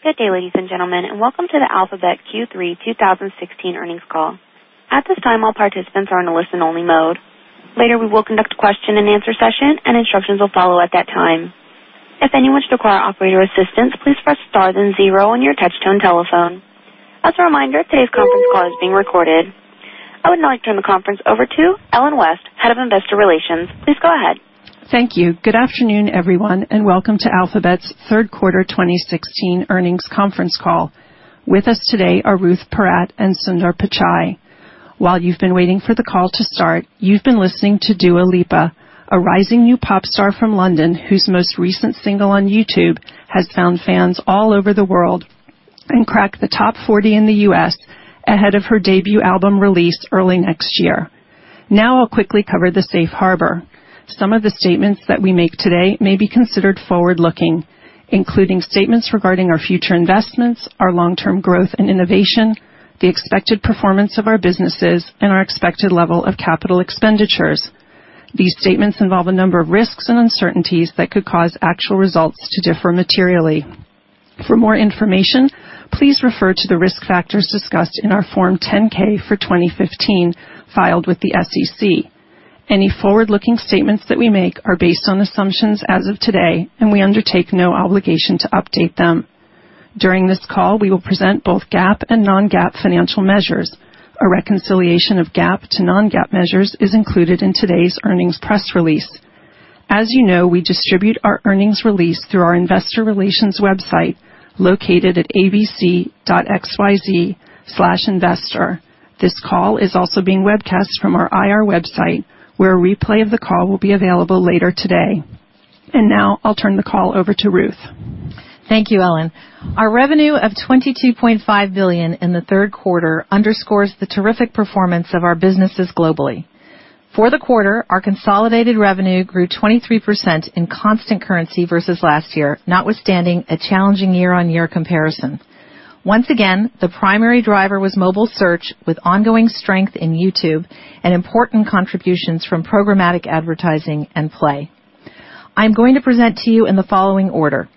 Good day, ladies and gentlemen, and welcome to the Alphabet Q3 2016 earnings call. At this time, all participants are in a listen-only mode. Later, we will conduct a question-and-answer session, and instructions will follow at that time. If anyone should require operator assistance, please press star then zero on your touch-tone telephone. As a reminder, today's conference call is being recorded. I would now like to turn the conference over to Ellen West, Head of Investor Relations. Please go ahead. Thank you. Good afternoon, everyone, and welcome to Alphabet's Third Quarter 2016 earnings conference call. With us today are Ruth Porat and Sundar Pichai. While you've been waiting for the call to start, you've been listening to Dua Lipa, a rising new pop star from London whose most recent single on YouTube has found fans all over the world and cracked the top 40 in the U.S. ahead of her debut album release early next year. Now, I'll quickly cover the safe harbor. Some of the statements that we make today may be considered forward-looking, including statements regarding our future investments, our long-term growth and innovation, the expected performance of our businesses, and our expected level of capital expenditures. These statements involve a number of risks and uncertainties that could cause actual results to differ materially. For more information, please refer to the risk factors discussed in our Form 10-K for 2015 filed with the SEC. Any forward-looking statements that we make are based on assumptions as of today, and we undertake no obligation to update them. During this call, we will present both GAAP and non-GAAP financial measures. A reconciliation of GAAP to non-GAAP measures is included in today's earnings press release. As you know, we distribute our earnings release through our investor relations website located at abc.xyz/investor. This call is also being webcast from our IR website, where a replay of the call will be available later today. And now, I'll turn the call over to Ruth. Thank you, Ellen. Our revenue of $22.5 billion in the third quarter underscores the terrific performance of our businesses globally. For the quarter, our consolidated revenue grew 23% in constant currency versus last year, notwithstanding a challenging year-on-year comparison. Once again, the primary driver was mobile search with ongoing strength in YouTube and important contributions from programmatic advertising and Play. I'm going to present to you in the following order.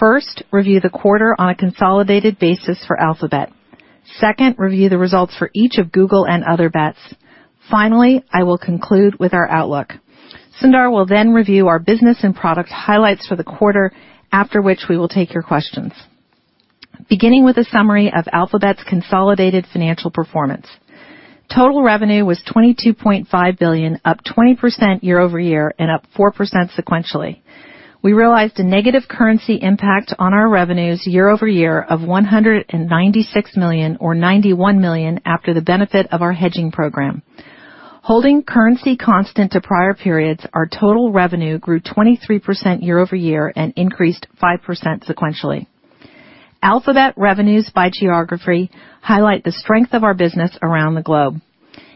First, review the quarter on a consolidated basis for Alphabet. Second, review the results for each of Google and Other Bets. Finally, I will conclude with our outlook. Sundar will then review our business and product highlights for the quarter, after which we will take your questions. Beginning with a summary of Alphabet's consolidated financial performance. Total revenue was $22.5 billion, up 20% year-over-year and up 4% sequentially. We realized a negative currency impact on our revenues year-over-year of $196 million, or $91 million, after the benefit of our hedging program. Holding currency constant to prior periods, our total revenue grew 23% year-over-year and increased 5% sequentially. Alphabet revenues by geography highlight the strength of our business around the globe.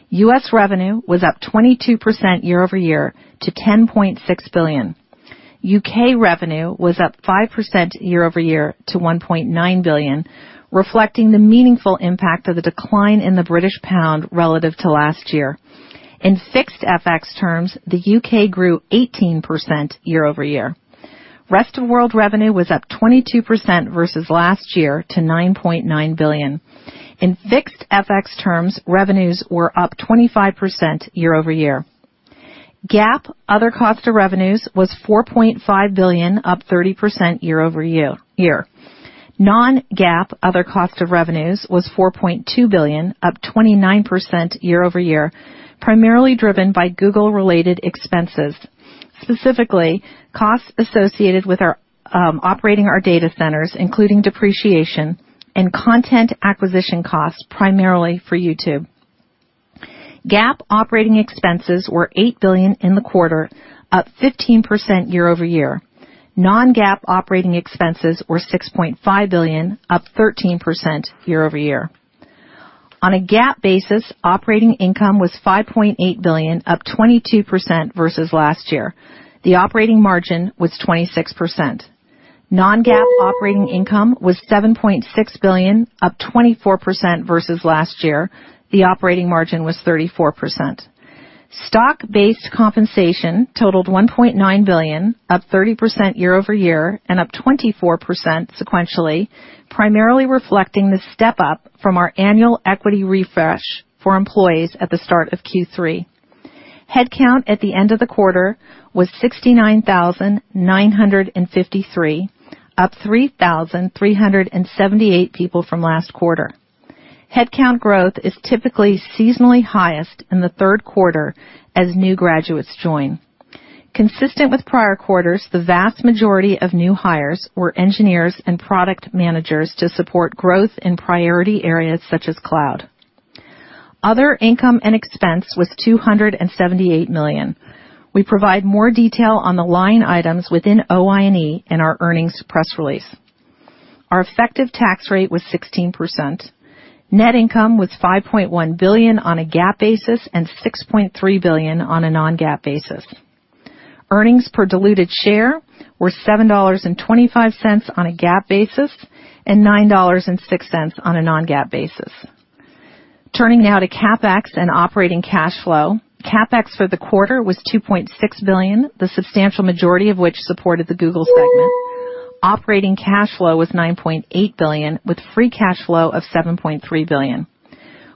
U.S. revenue was up 22% year-over-year to $10.6 billion. U.K. revenue was up 5% year-over-year to $1.9 billion, reflecting the meaningful impact of the decline in the British pound relative to last year. In fixed FX terms, the U.K. grew 18% year-over-year. Rest of world revenue was up 22% versus last year to $9.9 billion. In fixed FX terms, revenues were up 25% year-over-year. GAAP other cost of revenues was $4.5 billion, up 30% year-over-year. Non-GAAP other cost of revenues was $4.2 billion, up 29% year-over-year, primarily driven by Google-related expenses. Specifically, costs associated with operating our data centers, including depreciation and content acquisition costs, primarily for YouTube. GAAP operating expenses were $8 billion in the quarter, up 15% year-over-year. Non-GAAP operating expenses were $6.5 billion, up 13% year-over-year. On a GAAP basis, operating income was $5.8 billion, up 22% versus last year. The operating margin was 26%. Non-GAAP operating income was $7.6 billion, up 24% versus last year. The operating margin was 34%. Stock-based compensation totaled $1.9 billion, up 30% year-over-year and up 24% sequentially, primarily reflecting the step-up from our annual equity refresh for employees at the start of Q3. Headcount at the end of the quarter was 69,953, up 3,378 people from last quarter. Headcount growth is typically seasonally highest in the third quarter as new graduates join. Consistent with prior quarters, the vast majority of new hires were engineers and product managers to support growth in priority areas such as Cloud. Other income and expense was $278 million. We provide more detail on the line items within OI&E in our earnings press release. Our effective tax rate was 16%. Net income was $5.1 billion on a GAAP basis and $6.3 billion on a non-GAAP basis. Earnings per diluted share were $7.25 on a GAAP basis and $9.06 on a non-GAAP basis. Turning now to CapEx and operating cash flow. CapEx for the quarter was $2.6 billion, the substantial majority of which supported the Google segment. Operating cash flow was $9.8 billion, with free cash flow of $7.3 billion.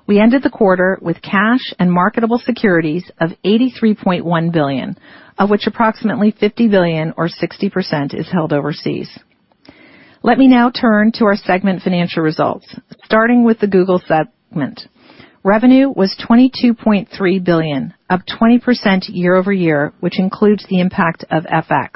We ended the quarter with cash and marketable securities of $83.1 billion, of which approximately $50 billion, or 60%, is held overseas. Let me now turn to our segment financial results, starting with the Google segment. Revenue was $22.3 billion, up 20% year-over-year, which includes the impact of FX.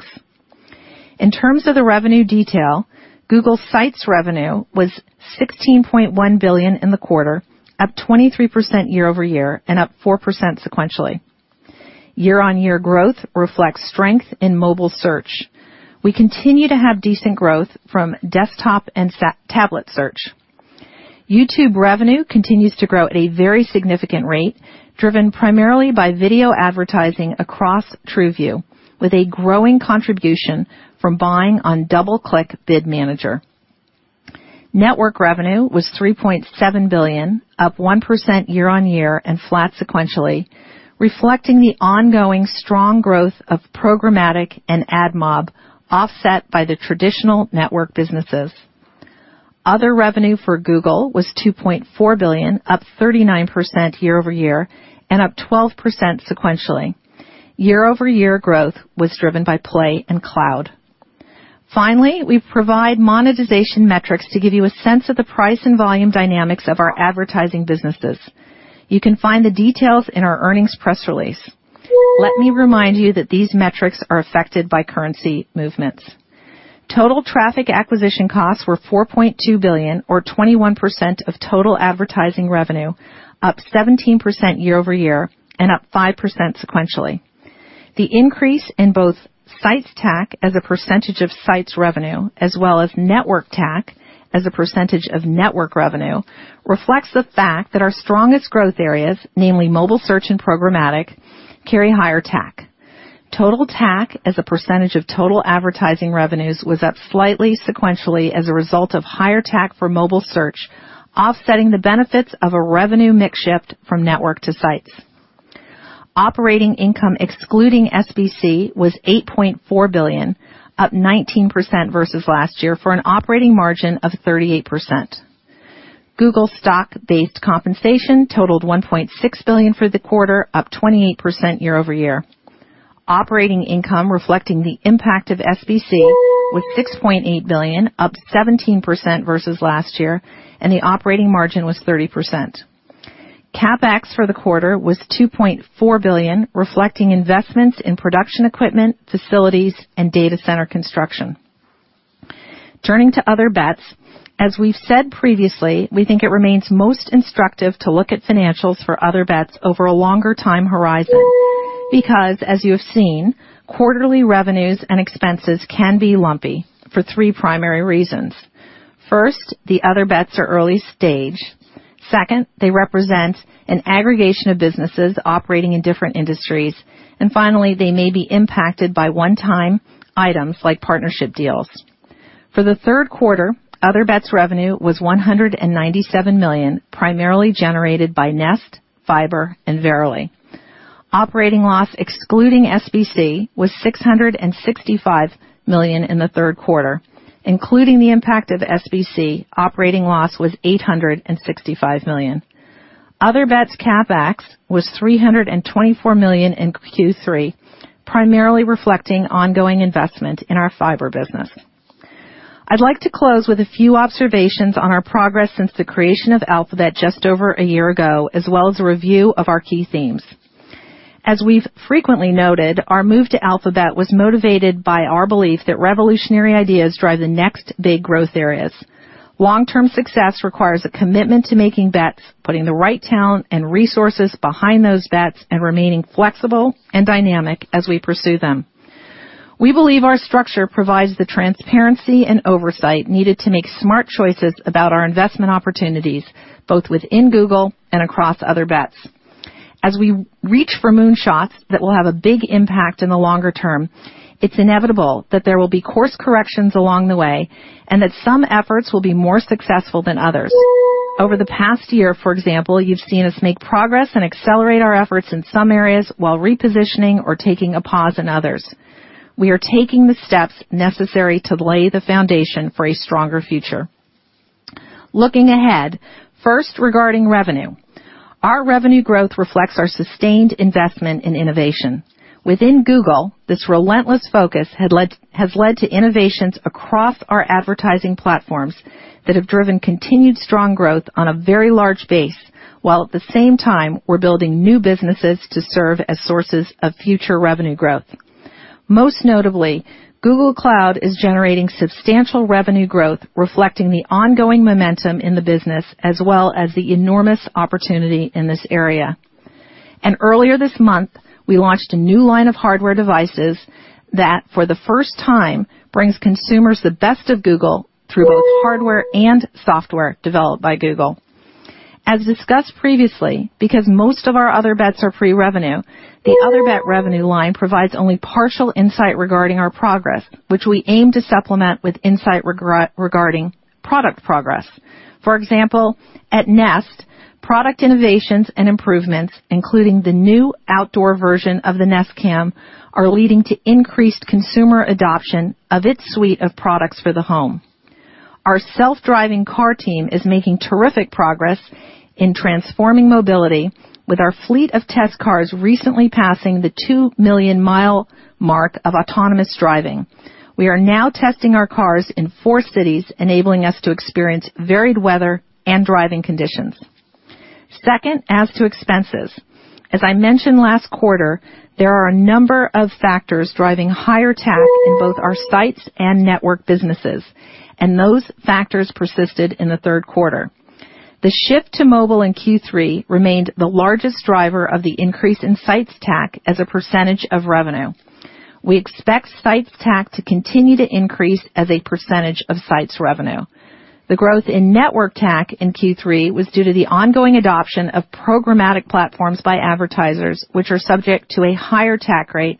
In terms of the revenue detail, Google sites revenue was $16.1 billion in the quarter, up 23% year-over-year and up 4% sequentially. Year-on-year growth reflects strength in mobile search. We continue to have decent growth from desktop and tablet search. YouTube revenue continues to grow at a very significant rate, driven primarily by video advertising across TrueView, with a growing contribution from buying on DoubleClick Bid Manager. Network revenue was $3.7 billion, up 1% year-on-year and flat sequentially, reflecting the ongoing strong growth of programmatic and AdMob, offset by the traditional network businesses. Other revenue for Google was $2.4 billion, up 39% year-over-year and up 12% sequentially. Year-over-year growth was driven by play and cloud. Finally, we provide monetization metrics to give you a sense of the price and volume dynamics of our advertising businesses. You can find the details in our earnings press release. Let me remind you that these metrics are affected by currency movements. Total traffic acquisition costs were $4.2 billion, or 21% of total advertising revenue, up 17% year-over-year and up 5% sequentially. The increase in both sites TAC as a percentage of sites revenue, as well as network TAC as a percentage of network revenue, reflects the fact that our strongest growth areas, namely mobile search and programmatic, carry higher TAC. Total TAC as a percentage of total advertising revenues was up slightly sequentially as a result of higher TAC for mobile search, offsetting the benefits of a revenue mix shifted from network to sites. Operating income excluding SBC was $8.4 billion, up 19% versus last year, for an operating margin of 38%. Google stock-based compensation totaled $1.6 billion for the quarter, up 28% year-over-year. Operating income reflecting the impact of SBC was $6.8 billion, up 17% versus last year, and the operating margin was 30%. CapEx for the quarter was $2.4 billion, reflecting investments in production equipment, facilities, and data center construction. Turning to other bets, as we've said previously, we think it remains most instructive to look at financials for other bets over a longer time horizon because, as you have seen, quarterly revenues and expenses can be lumpy for three primary reasons. First, the other bets are early stage. Second, they represent an aggregation of businesses operating in different industries. And finally, they may be impacted by one-time items like partnership deals. For the third quarter, other bets revenue was $197 million, primarily generated by Nest, Fiber, and Verily. Operating loss excluding SBC was $665 million in the third quarter. Including the impact of SBC, operating loss was $865 million. Other bets CapEx was $324 million in Q3, primarily reflecting ongoing investment in our Fiber business. I'd like to close with a few observations on our progress since the creation of Alphabet just over a year ago, as well as a review of our key themes. As we've frequently noted, our move to Alphabet was motivated by our belief that revolutionary ideas drive the next big growth areas. Long-term success requires a commitment to making bets, putting the right talent and resources behind those bets, and remaining flexible and dynamic as we pursue them. We believe our structure provides the transparency and oversight needed to make smart choices about our investment opportunities, both within Google and across other bets. As we reach for moonshots that will have a big impact in the longer term, it's inevitable that there will be course corrections along the way and that some efforts will be more successful than others. Over the past year, for example, you've seen us make progress and accelerate our efforts in some areas while repositioning or taking a pause in others. We are taking the steps necessary to lay the foundation for a stronger future. Looking ahead, first regarding revenue, our revenue growth reflects our sustained investment in innovation. Within Google, this relentless focus has led to innovations across our advertising platforms that have driven continued strong growth on a very large base, while at the same time we're building new businesses to serve as sources of future revenue growth. Most notably, Google Cloud is generating substantial revenue growth, reflecting the ongoing momentum in the business, as well as the enormous opportunity in this area. And earlier this month, we launched a new line of hardware devices that, for the first time, brings consumers the best of Google through both hardware and software developed by Google. As discussed previously, because most of our other bets are pre-revenue, the other bet revenue line provides only partial insight regarding our progress, which we aim to supplement with insight regarding product progress. For example, at Nest, product innovations and improvements, including the new outdoor version of the Nest Cam, are leading to increased consumer adoption of its suite of products for the home. Our self-driving car team is making terrific progress in transforming mobility, with our fleet of test cars recently passing the two million-mile mark of autonomous driving. We are now testing our cars in four cities, enabling us to experience varied weather and driving conditions. Second, as to expenses. As I mentioned last quarter, there are a number of factors driving higher TAC in both our sites and network businesses, and those factors persisted in the third quarter. The shift to mobile in Q3 remained the largest driver of the increase in sites TAC as a percentage of revenue. We expect sites TAC to continue to increase as a percentage of sites revenue. The growth in network TAC in Q3 was due to the ongoing adoption of programmatic platforms by advertisers, which are subject to a higher TAC rate,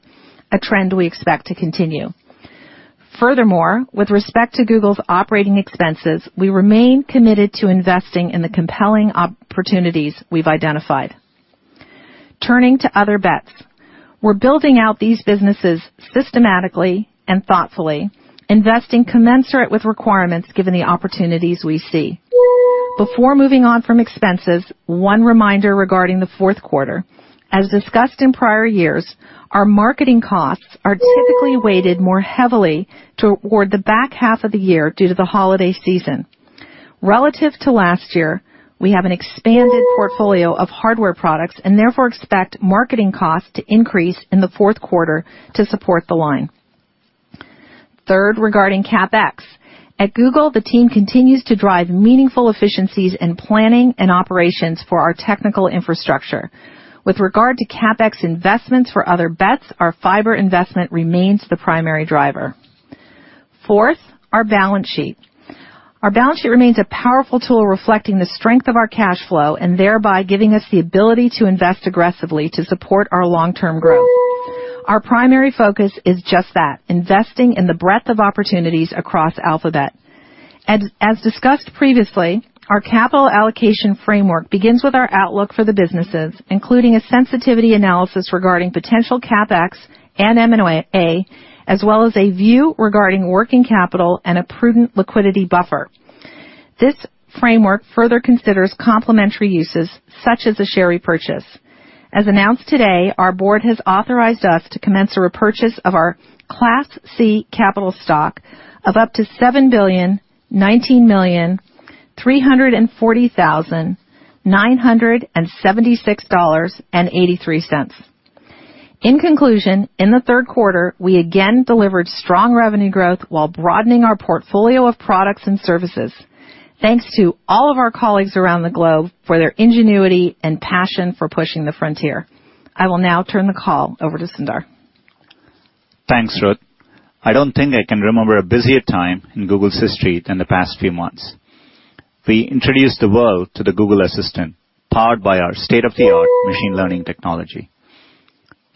a trend we expect to continue. Furthermore, with respect to Google's operating expenses, we remain committed to investing in the compelling opportunities we've identified. Turning to other bets, we're building out these businesses systematically and thoughtfully, investing commensurate with requirements given the opportunities we see. Before moving on from expenses, one reminder regarding the fourth quarter. As discussed in prior years, our marketing costs are typically weighted more heavily toward the back half of the year due to the holiday season. Relative to last year, we have an expanded portfolio of hardware products and therefore expect marketing costs to increase in the fourth quarter to support the line. Third, regarding CapEx. At Google, the team continues to drive meaningful efficiencies in planning and operations for our technical infrastructure. With regard to CapEx investments for other bets, our fiber investment remains the primary driver. Fourth, our balance sheet. Our balance sheet remains a powerful tool reflecting the strength of our cash flow and thereby giving us the ability to invest aggressively to support our long-term growth. Our primary focus is just that: investing in the breadth of opportunities across Alphabet. As discussed previously, our capital allocation framework begins with our outlook for the businesses, including a sensitivity analysis regarding potential CapEx and M&A, as well as a view regarding working capital and a prudent liquidity buffer. This framework further considers complementary uses, such as a share repurchase. As announced today, our board has authorized us to commence a repurchase of our Class C capital stock of up to $7,193,409,076.83. In conclusion, in the third quarter, we again delivered strong revenue growth while broadening our portfolio of products and services. Thanks to all of our colleagues around the globe for their ingenuity and passion for pushing the frontier. I will now turn the call over to Sundar. Thanks, Ruth. I don't think I can remember a busier time in Google's history than the past few months. We introduced the world to the Google Assistant, powered by our state-of-the-art machine learning technology.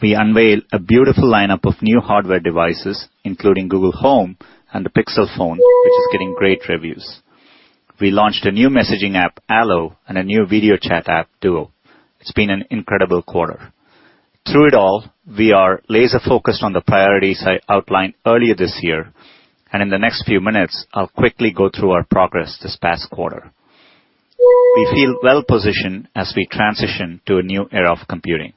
We unveiled a beautiful lineup of new hardware devices, including Google Home and the Pixel phone, which is getting great reviews. We launched a new messaging app, Allo, and a new video chat app, Duo. It's been an incredible quarter. Through it all, we are laser-focused on the priorities I outlined earlier this year, and in the next few minutes, I'll quickly go through our progress this past quarter. We feel well-positioned as we transition to a new era of computing.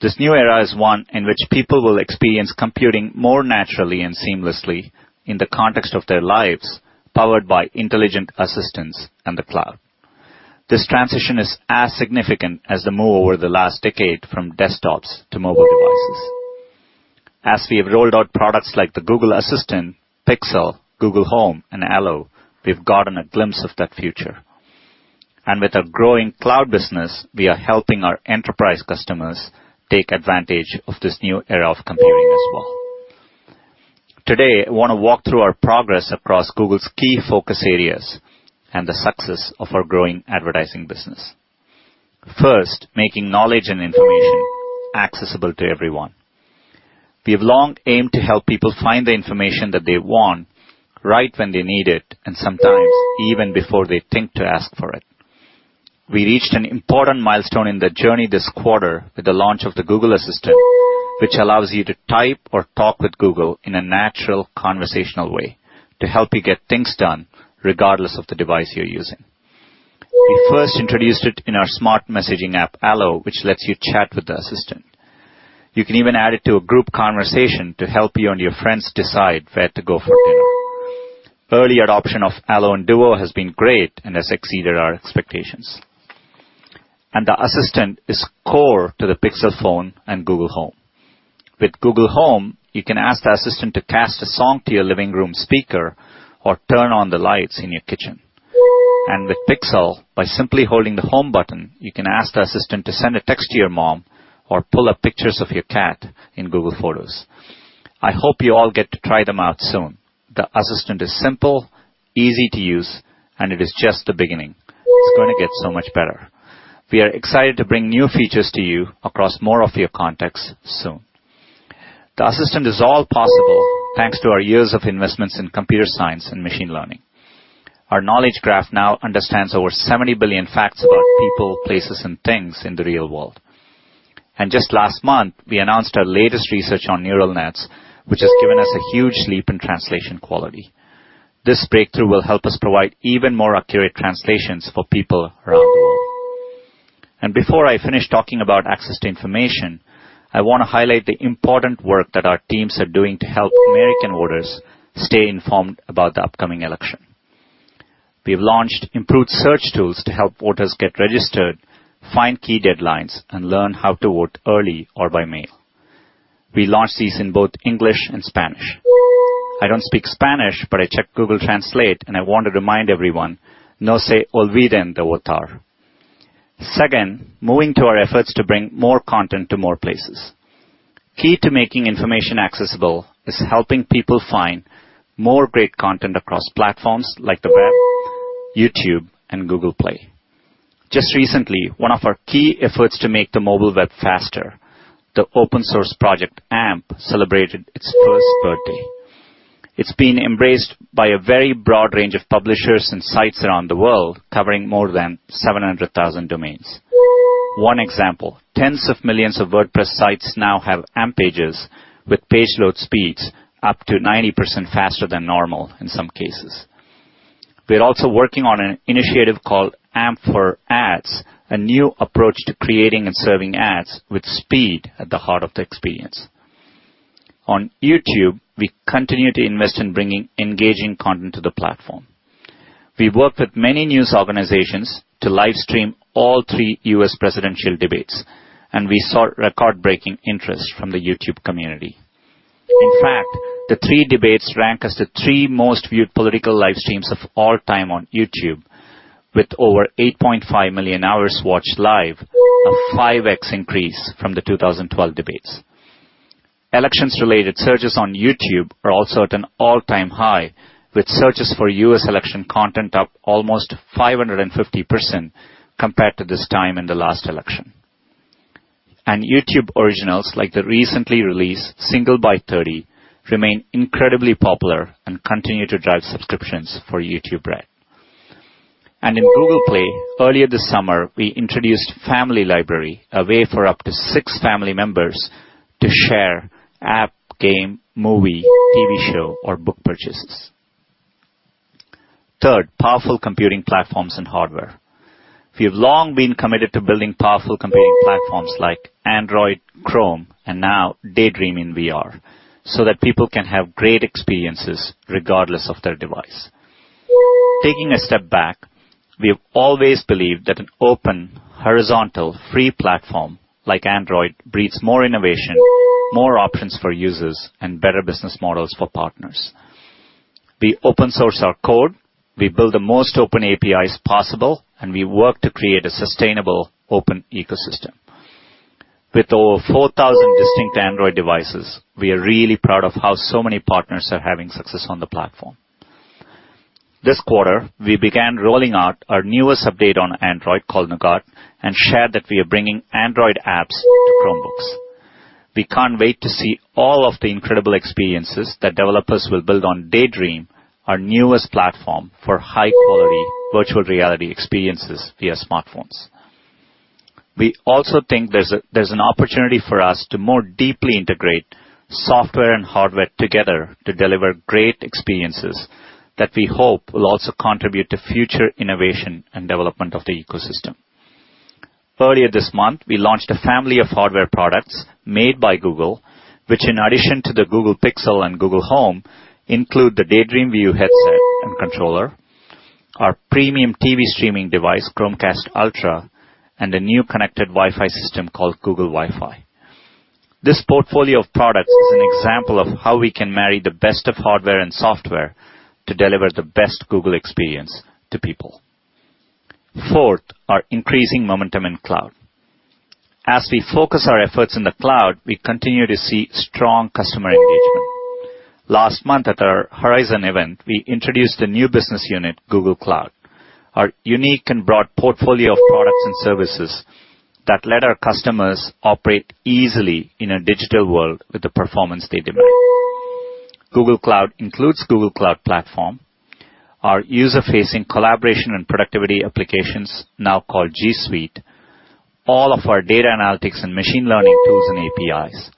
This new era is one in which people will experience computing more naturally and seamlessly in the context of their lives, powered by intelligent Assistants and the cloud. This transition is as significant as the move over the last decade from desktops to mobile devices. As we have rolled out products like the Google Assistant, Pixel, Google Home, and Allo, we've gotten a glimpse of that future. And with our growing cloud business, we are helping our enterprise customers take advantage of this new era of computing as well. Today, I want to walk through our progress across Google's key focus areas and the success of our growing advertising business. First, making knowledge and information accessible to everyone. We have long aimed to help people find the information that they want right when they need it, and sometimes even before they think to ask for it. We reached an important milestone in the journey this quarter with the launch of the Google Assistant, which allows you to type or talk with Google in a natural conversational way to help you get things done regardless of the device you're using. We first introduced it in our smart messaging app, Allo, which lets you chat with the assistant. You can even add it to a group conversation to help you and your friends decide where to go for dinner. Early adoption of Allo and Duo has been great and has exceeded our expectations. And the Assistant is core to the Pixel phone and Google Home. With Google Home, you can ask the assistant to cast a song to your living room speaker or turn on the lights in your kitchen. With Pixel, by simply holding the Home button, you can ask the assistant to send a text to your mom or pull up pictures of your cat in Google Photos. I hope you all get to try them out soon. The Assistant is simple, easy to use, and it is just the beginning. It's going to get so much better. We are excited to bring new features to you across more of your contacts soon. The Assistant is all possible thanks to our years of investments in computer science and machine learning. Our Knowledge Graph now understands over 70 billion facts about people, places, and things in the real world. Just last month, we announced our latest research on neural nets, which has given us a huge leap in translation quality. This breakthrough will help us provide even more accurate translations for people around the world. And before I finish talking about access to information, I want to highlight the important work that our teams are doing to help American voters stay informed about the upcoming election. We've launched improved search tools to help voters get registered, find key deadlines, and learn how to vote early or by mail. We launched these in both English and Spanish. I don't speak Spanish, but I check Google Translate, and I want to remind everyone, "No se olviden de votar." Second, moving to our efforts to bring more content to more places. Key to making information accessible is helping people find more great content across platforms like the web, YouTube, and Google Play. Just recently, one of our key efforts to make the mobile web faster, the open-source project AMP, celebrated its first birthday. It's been embraced by a very broad range of publishers and sites around the world, covering more than 700,000 domains. One example: tens of millions of WordPress sites now have AMP pages with page load speeds up to 90% faster than normal in some cases. We're also working on an initiative called AMP for Ads, a new approach to creating and serving ads with speed at the heart of the experience. On YouTube, we continue to invest in bringing engaging content to the platform. We worked with many news organizations to livestream all three U.S. presidential debates, and we saw record-breaking interest from the YouTube community. In fact, the three debates rank as the three most viewed political livestreams of all time on YouTube, with over 8.5 million hours watched live, a 5X increase from the 2012 debates. Elections-related searches on YouTube are also at an all-time high, with searches for U.S. election content up almost 550% compared to this time in the last election. And YouTube originals like the recently released Single by 30 remain incredibly popular and continue to drive subscriptions for YouTube Red. And in Google Play, earlier this summer, we introduced Family Library, a way for up to six family members to share app, game, movie, TV show, or book purchases. Third, powerful computing platforms and hardware. We have long been committed to building powerful computing platforms like Android, Chrome, and now Daydream in VR, so that people can have great experiences regardless of their device. Taking a step back, we have always believed that an open, horizontal, free platform like Android breeds more innovation, more options for users, and better business models for partners. We open-source our code, we build the most open APIs possible, and we work to create a sustainable open ecosystem. With over 4,000 distinct Android devices, we are really proud of how so many partners are having success on the platform. This quarter, we began rolling out our newest update on Android called Nougat and shared that we are bringing Android apps to Chromebooks. We can't wait to see all of the incredible experiences that developers will build on Daydream, our newest platform for high-quality virtual reality experiences via smartphones. We also think there's an opportunity for us to more deeply integrate software and hardware together to deliver great experiences that we hope will also contribute to future innovation and development of the ecosystem. Earlier this month, we launched a family of hardware products made by Google, which in addition to the Google Pixel and Google Home, include the Daydream View headset and controller, our premium TV streaming device, Chromecast Ultra, and a new connected Wi-Fi system called Google Wifi. This portfolio of products is an example of how we can marry the best of hardware and software to deliver the best Google experience to people. Fourth, our increasing momentum in cloud. As we focus our efforts in the cloud, we continue to see strong customer engagement. Last month at our Horizon event, we introduced a new business unit, Google Cloud, our unique and broad portfolio of products and services that let our customers operate easily in a digital world with the performance they demand. Google Cloud includes Google Cloud Platform, our user-facing collaboration and productivity applications now called G Suite, all of our data analytics and machine learning tools and APIs,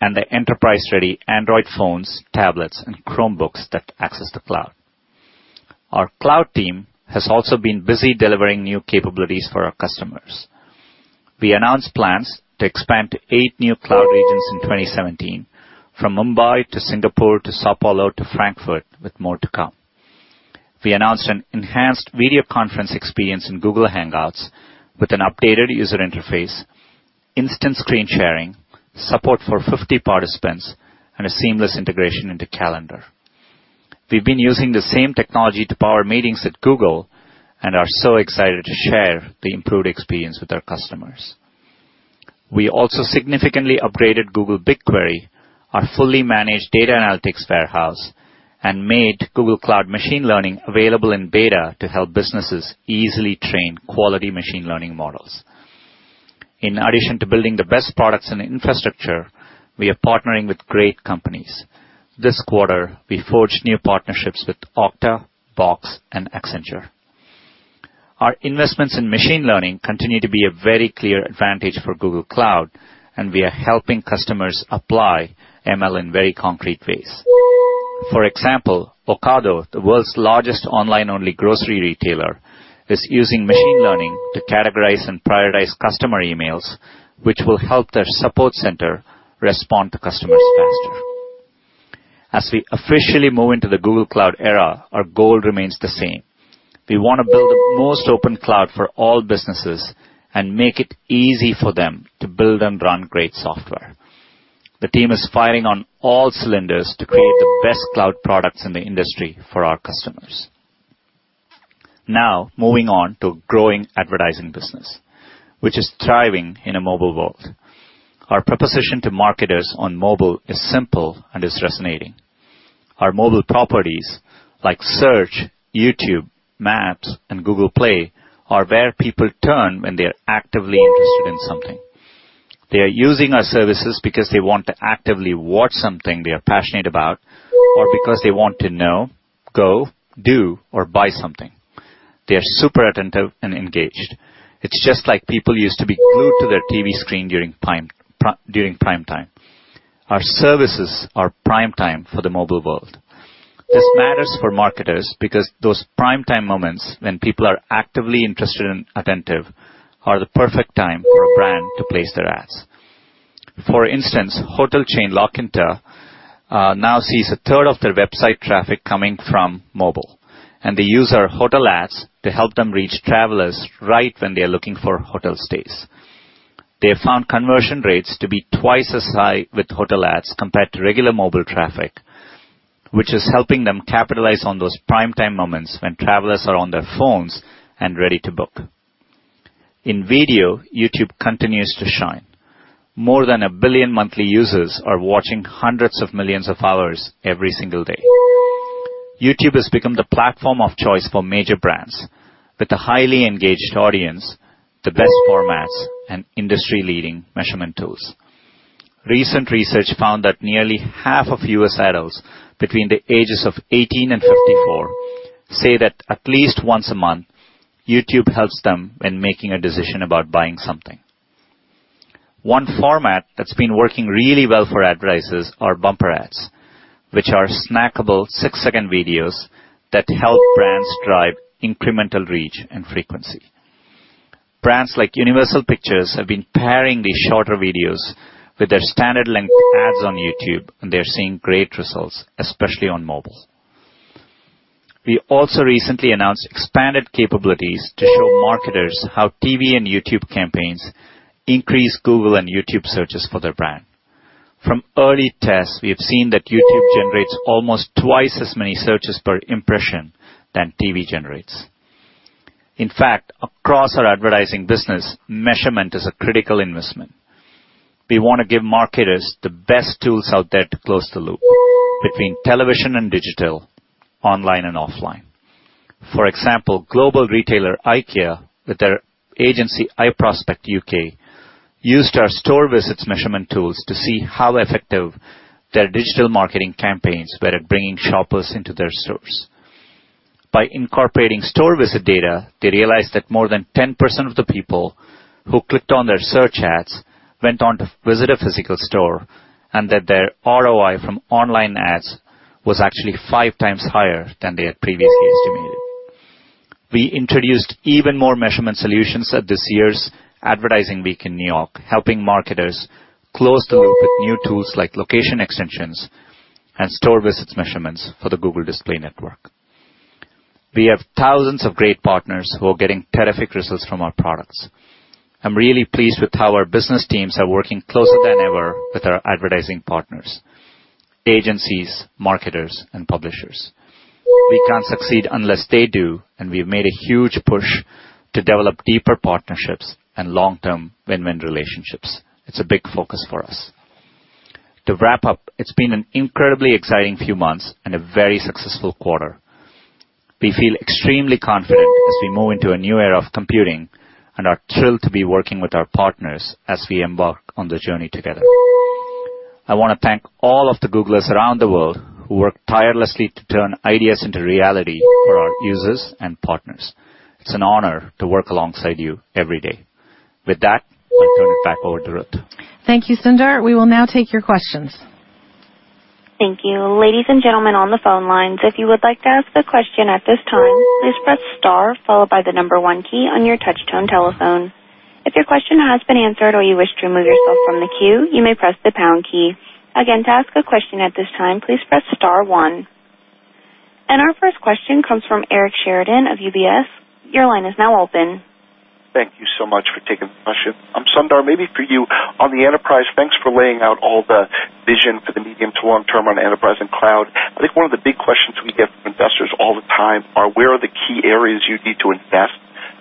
and the enterprise-ready Android phones, tablets, and Chromebooks that access the cloud. Our cloud team has also been busy delivering new capabilities for our customers. We announced plans to expand to eight new cloud regions in 2017, from Mumbai to Singapore to São Paulo to Frankfurt, with more to come. We announced an enhanced video conference experience in Google Hangouts with an updated user interface, instant screen sharing, support for 50 participants, and a seamless integration into Calendar. We've been using the same technology to power meetings at Google and are so excited to share the improved experience with our customers. We also significantly upgraded Google BigQuery, our fully managed data analytics warehouse, and made Google Cloud Machine Learning available in beta to help businesses easily train quality machine learning models. In addition to building the best products and infrastructure, we are partnering with great companies. This quarter, we forged new partnerships with Okta, Box, and Accenture. Our investments in machine learning continue to be a very clear advantage for Google Cloud, and we are helping customers apply ML in very concrete ways. For example, Ocado, the world's largest online-only grocery retailer, is using machine learning to categorize and prioritize customer emails, which will help their support center respond to customers faster. As we officially move into the Google Cloud era, our goal remains the same. We want to build the most open cloud for all businesses and make it easy for them to build and run great software. The team is firing on all cylinders to create the best cloud products in the industry for our customers. Now, moving on to a growing advertising business, which is thriving in a mobile world. Our proposition to marketers on mobile is simple and is resonating. Our mobile properties, like Search, YouTube, Maps, and Google Play, are where people turn when they are actively interested in something. They are using our services because they want to actively watch something they are passionate about or because they want to know, go, do, or buy something. They are super attentive and engaged. It's just like people used to be glued to their TV screen during prime time. Our services are prime time for the mobile world. This matters for marketers because those prime time moments when people are actively interested and attentive are the perfect time for a brand to place their ads. For instance, hotel chain La Quinta now sees a third of their website traffic coming from mobile, and they use our Hotel Ads to help them reach travelers right when they are looking for hotel stays. They have found conversion rates to be twice as high with hotel ads compared to regular mobile traffic, which is helping them capitalize on those prime time moments when travelers are on their phones and ready to book. In video, YouTube continues to shine. More than a billion monthly users are watching hundreds of millions of hours every single day. YouTube has become the platform of choice for major brands with a highly engaged audience, the best formats, and industry-leading measurement tools. Recent research found that nearly half of U.S. adults between the ages of 18 and 54 say that at least once a month, YouTube helps them when making a decision about buying something. One format that's been working really well for advertisers are bumper ads, which are snackable six-second videos that help brands drive incremental reach and frequency. Brands like Universal Pictures have been pairing these shorter videos with their standard-length ads on YouTube, and they are seeing great results, especially on mobile. We also recently announced expanded capabilities to show marketers how TV and YouTube campaigns increase Google and YouTube searches for their brand. From early tests, we have seen that YouTube generates almost twice as many searches per impression than TV generates. In fact, across our advertising business, measurement is a critical investment. We want to give marketers the best tools out there to close the loop between television and digital, online and offline. For example, global retailer IKEA, with their agency iProspect UK, used our store visits measurement tools to see how effective their digital marketing campaigns were at bringing shoppers into their stores. By incorporating store visit data, they realized that more than 10% of the people who clicked on their search ads went on to visit a physical store and that their ROI from online ads was actually five times higher than they had previously estimated. We introduced even more measurement solutions at this year's Advertising Week in New York, helping marketers close the loop with new tools like location extensions and store visits measurements for the Google Display Network. We have thousands of great partners who are getting terrific results from our products. I'm really pleased with how our business teams are working closer than ever with our advertising partners, agencies, marketers, and publishers. We can't succeed unless they do, and we've made a huge push to develop deeper partnerships and long-term win-win relationships. It's a big focus for us. To wrap up, it's been an incredibly exciting few months and a very successful quarter. We feel extremely confident as we move into a new era of computing and are thrilled to be working with our partners as we embark on the journey together. I want to thank all of the Googlers around the world who work tirelessly to turn ideas into reality for our users and partners. It's an honor to work alongside you every day. With that, I'll turn it back over to Ruth. Thank you, Sundar. We will now take your questions. Thank you. Ladies and gentlemen on the phone lines, if you would like to ask a question at this time, please press star followed by the number one key on your touch-tone telephone. If your question has been answered or you wish to remove yourself from the queue, you may press the pound key. Again, to ask a question at this time, please press star one. Our first question comes from Eric Sheridan of UBS. Your line is now open. Thank you so much for taking the question. I'm Sundar. Maybe for you on the enterprise, thanks for laying out all the vision for the medium to long term on enterprise and cloud. I think one of the big questions we get from investors all the time are, where are the key areas you need to invest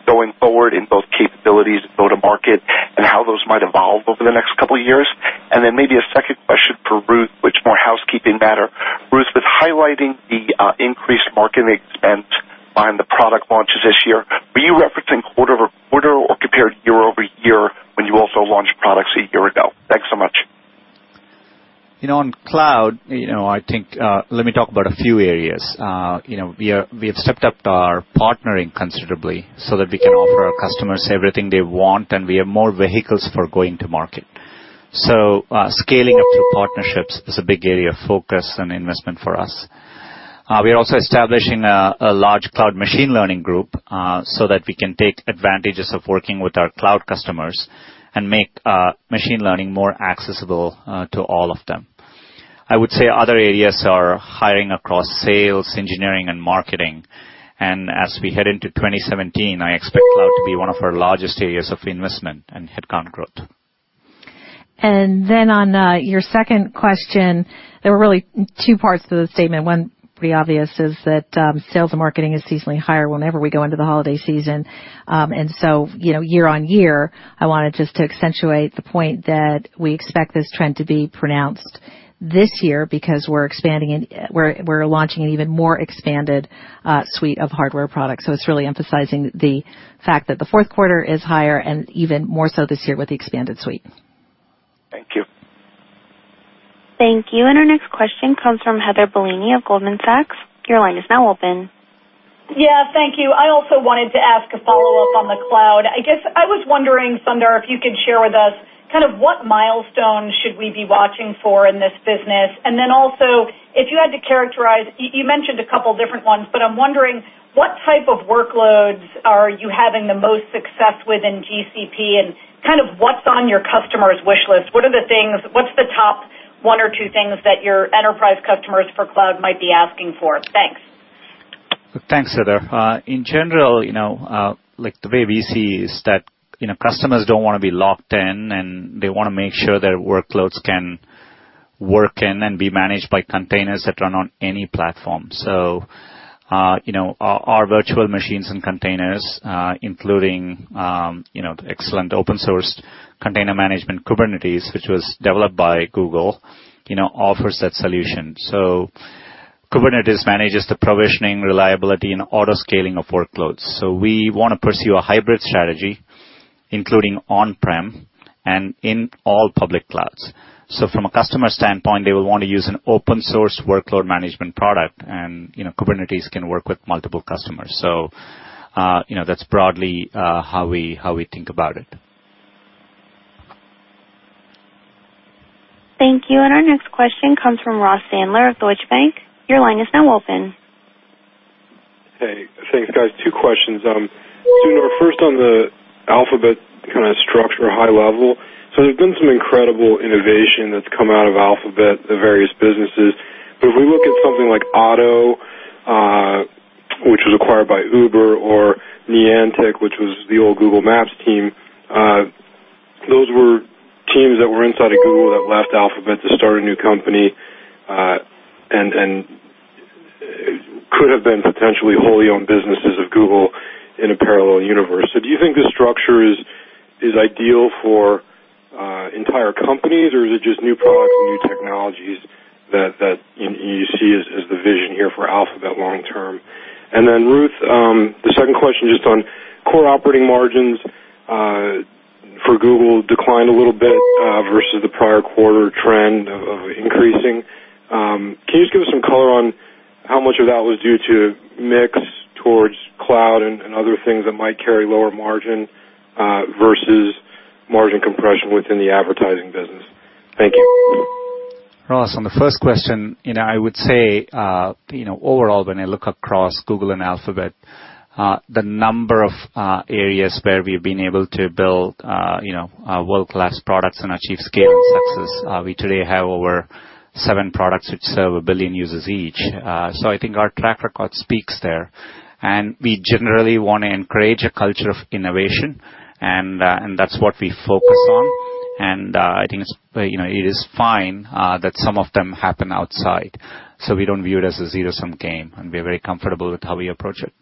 going forward in both capabilities and go-to-market and how those might evolve over the next couple of years? And then maybe a second question for Ruth, which is more housekeeping matter. Ruth, with highlighting the increased marketing expense on the product launches this year, were you referencing quarter over quarter or compared year over year when you also launched products a year ago? Thanks so much. On cloud, I think let me talk about a few areas. We have stepped up our partnering considerably so that we can offer our customers everything they want, and we have more vehicles for going to market. So scaling up through partnerships is a big area of focus and investment for us. We are also establishing a large cloud machine learning group so that we can take advantage of working with our cloud customers and make machine learning more accessible to all of them. I would say other areas are hiring across sales, engineering, and marketing as we head into 2017. I expect cloud to be one of our largest areas of investment and headcount growth. Then on your second question, there were really two parts to the statement. One pretty obvious is that sales and marketing is seasonally higher whenever we go into the holiday season. So year on year, I wanted just to accentuate the point that we expect this trend to be pronounced this year because we're expanding and we're launching an even more expanded suite of hardware products. So it's really emphasizing the fact that the fourth quarter is higher and even more so this year with the expanded suite. Thank you. Thank you. And our next question comes from Heather Bellini of Goldman Sachs. Your line is now open. Yeah, thank you. I also wanted to ask a follow-up on the cloud. I guess I was wondering, Sundar, if you could share with us kind of what milestones should we be watching for in this business. And then also, if you had to characterize, you mentioned a couple of different ones, but I'm wondering what type of workloads are you having the most success with in GCP and kind of what's on your customer's wish list? What are the things, what's the top one or two things that your enterprise customers for cloud might be asking for? Thanks. Thanks, Heather. In general, the way we see is that customers don't want to be locked in, and they want to make sure their workloads can work in and be managed by containers that run on any platform. So our virtual machines and containers, including excellent open-source container management Kubernetes, which was developed by Google, offers that solution. So Kubernetes manages the provisioning, reliability, and autoscaling of workloads. So we want to pursue a hybrid strategy, including on-prem and in all public clouds. So from a customer standpoint, they will want to use an open-source workload management product, and Kubernetes can work with multiple customers. So that's broadly how we think about it. Thank you. And our next question comes from Ross Sandler of Deutsche Bank. Your line is now open. Hey, thanks, guys. Two questions. Sundar, first on the Alphabet kind of structure high level. So there's been some incredible innovation that's come out of Alphabet, the various businesses. But if we look at something like Otto, which was acquired by Uber, or Niantic, which was the old Google Maps team, those were teams that were inside of Google that left Alphabet to start a new company and could have been potentially wholly owned businesses of Google in a parallel universe. So do you think this structure is ideal for entire companies, or is it just new products and new technologies that you see as the vision here for Alphabet long term? And then, Ruth, the second question just on core operating margins for Google declined a little bit versus the prior quarter trend of increasing. Can you just give us some color on how much of that was due to mix towards cloud and other things that might carry lower margin versus margin compression within the advertising business? Thank you. Ross, on the first question, I would say overall, when I look across Google and Alphabet, the number of areas where we've been able to build world-class products and achieve scaling success. We today have over seven products which serve a billion users each. So I think our track record speaks there. And we generally want to encourage a culture of innovation, and that's what we focus on. And I think it is fine that some of them happen outside. So we don't view it as a zero-sum game, and we are very comfortable with how we approach it.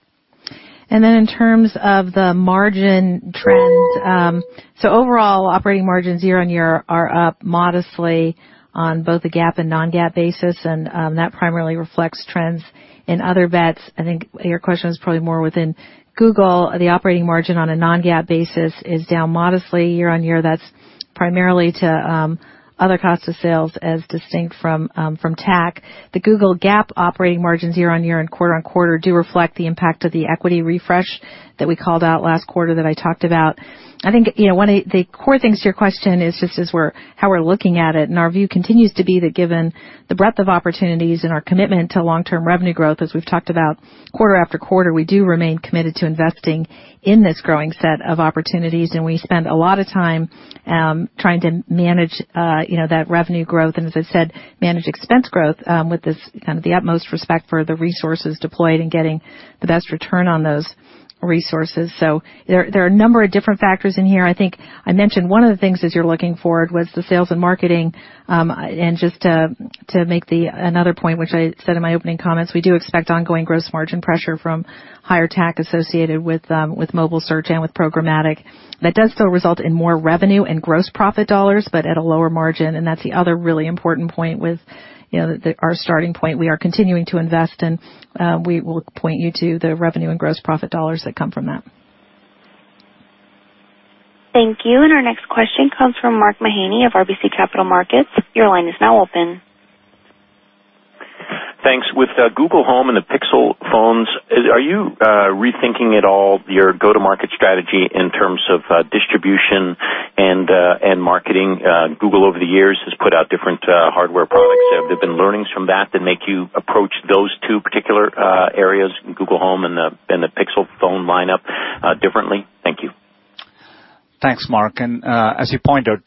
And then in terms of the margin trends, so overall, operating margins year on year are up modestly on both the GAAP and non-GAAP basis, and that primarily reflects trends in other bets. I think your question was probably more within Google. The operating margin on a non-GAAP basis is down modestly year on year. That's primarily to other costs of sales as distinct from TAC. The Google GAAP operating margins year on year and quarter on quarter do reflect the impact of the equity refresh that we called out last quarter that I talked about. I think one of the core things to your question is just how we're looking at it. Our view continues to be that given the breadth of opportunities and our commitment to long-term revenue growth, as we've talked about quarter after quarter, we do remain committed to investing in this growing set of opportunities. We spend a lot of time trying to manage that revenue growth and, as I said, manage expense growth with kind of the utmost respect for the resources deployed and getting the best return on those resources. There are a number of different factors in here. I think I mentioned one of the things as you're looking forward was the sales and marketing. Just to make another point, which I said in my opening comments, we do expect ongoing gross margin pressure from higher TAC associated with mobile search and with programmatic. That does still result in more revenue and gross profit dollars, but at a lower margin. That's the other really important point with our starting point. We are continuing to invest, and we will point you to the revenue and gross profit dollars that come from that. Thank you. Ournext question comes from Mark Mahaney of RBC Capital Markets. Your line is now open. Thanks. With Google Home and the Pixel phones, are you rethinking at all your go-to-market strategy in terms of distribution and marketing? Google over the years has put out different hardware products. Have there been learnings from that that make you approach those two particular areas, Google Home and the Pixel phone lineup, differently? Thank you. Thanks, Mark. As you point out,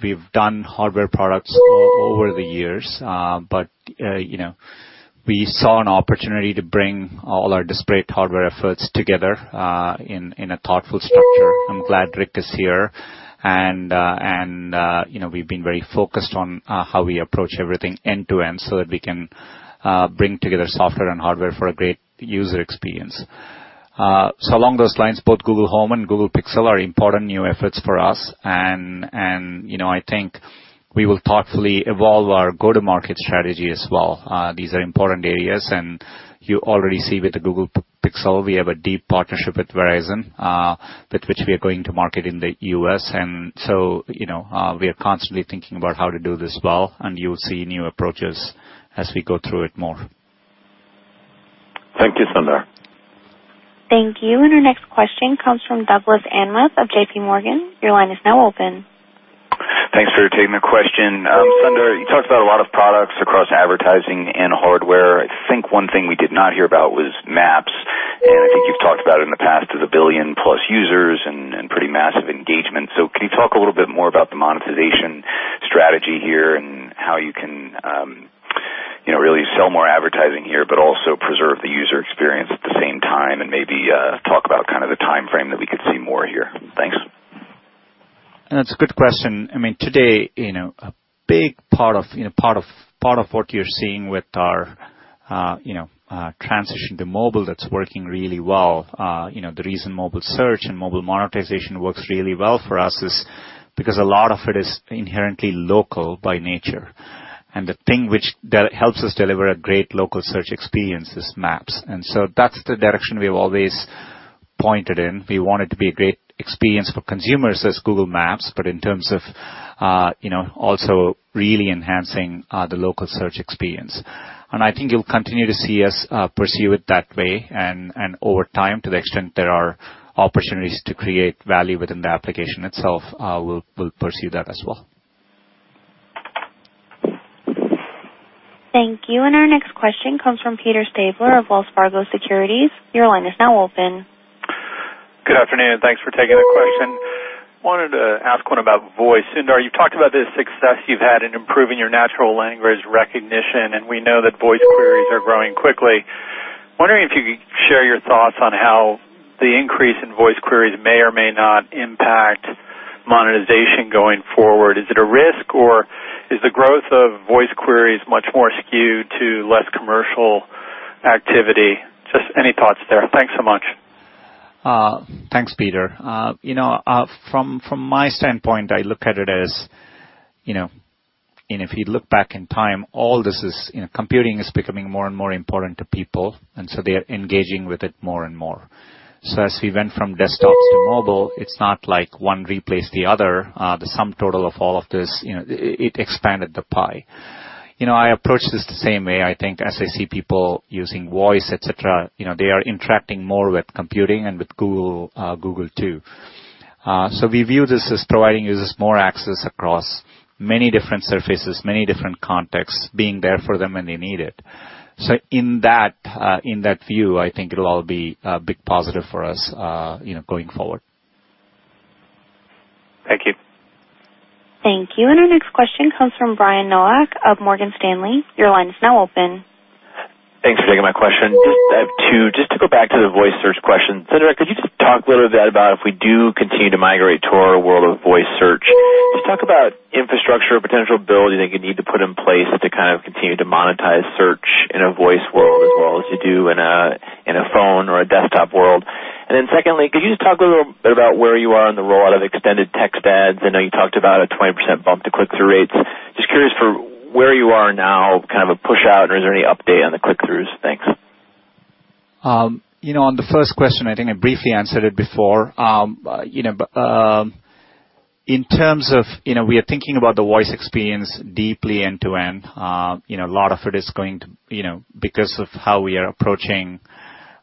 we've done hardware products over the years, but we saw an opportunity to bring all our disparate hardware efforts together in a thoughtful structure. I'm glad Rick is here. And we've been very focused on how we approach everything end-to-end so that we can bring together software and hardware for a great user experience. So along those lines, both Google Home and Google Pixel are important new efforts for us. And I think we will thoughtfully evolve our go-to-market strategy as well. These are important areas. And you already see with the Google Pixel, we have a deep partnership with Verizon, with which we are going to market in the U.S. And so we are constantly thinking about how to do this well, and you will see new approaches as we go through it more. Thank you, Sundar. Thank you. And our next question comes from Douglas Anmuth of JPMorgan. Your line is now open. Thanks for taking the question. Sundar, you talked about a lot of products across advertising and hardware. I think one thing we did not hear about was Maps. And I think you've talked about it in the past as a billion-plus users and pretty massive engagement. So can you talk a little bit more about the monetization strategy here and how you can really sell more advertising here, but also preserve the user experience at the same time and maybe talk about kind of the timeframe that we could see more here? Thanks. That's a good question. I mean, today, a big part of what you're seeing with our transition to mobile, that's working really well. The reason mobile search and mobile monetization works really well for us is because a lot of it is inherently local by nature. And the thing which helps us deliver a great local search experience is Maps. And so that's the direction we have always pointed in. We want it to be a great experience for consumers as Google Maps, but in terms of also really enhancing the local search experience. And I think you'll continue to see us pursue it that way. And over time, to the extent there are opportunities to create value within the application itself, we'll pursue that as well. Thank you. And our next question comes from Peter Stabler of Wells Fargo Securities. Your line is now open. Good afternoon. Thanks for taking the question. Wanted to ask one about voice. Sundar, you've talked about the success you've had in improving your natural language recognition, and we know that voice queries are growing quickly. Wondering if you could share your thoughts on how the increase in voice queries may or may not impact monetization going forward. Is it a risk, or is the growth of voice queries much more skewed to less commercial activity? Just any thoughts there? Thanks so much. Thanks, Peter. From my standpoint, I look at it as, and if you look back in time, all this is computing is becoming more and more important to people, and so they are engaging with it more and more. So as we went from desktops to mobile, it's not like one replaced the other. The sum total of all of this, it expanded the pie. I approach this the same way. I think as I see people using voice, etc., they are interacting more with computing and with Google too. So we view this as providing users more access across many different surfaces, many different contexts, being there for them when they need it. So in that view, I think it'll all be a big positive for us going forward. Thank you. Thank you. And our next question comes from Brian Nowak of Morgan Stanley. Your line is now open. Thanks for taking my question. Just to go back to the voice search question, Sundar, could you just talk a little bit about if we do continue to migrate to our world of voice search? Just talk about infrastructure, potential builds you think you need to put in place to kind of continue to monetize search in a voice world as well as you do in a phone or a desktop world. And then secondly, could you just talk a little bit about where you are in the rollout of extended text ads? I know you talked about a 20% bump to click-through rates. Just curious for where you are now, kind of a push-out, or is there any update on the click-throughs? Thanks. On the first question, I think I briefly answered it before, in terms of we are thinking about the voice experience deeply end-to-end. A lot of it is going to because of how we are approaching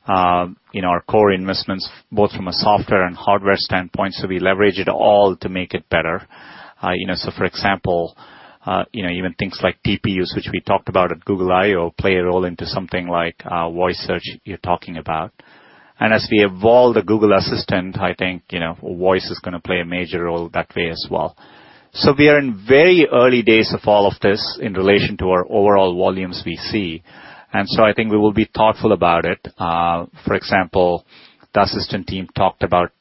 our core investments, both from a software and hardware standpoint, so we leverage it all to make it better, so for example, even things like TPUs, which we talked about at Google I/O, play a role into something like voice search you're talking about, and as we evolve the Google Assistant, I think voice is going to play a major role that way as well, so we are in very early days of all of this in relation to our overall volumes we see, and so I think we will be thoughtful about it. For example, the Assistant team talked about